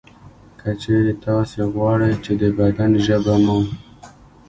که چېرې تاسې غواړئ چې د بدن ژبه مو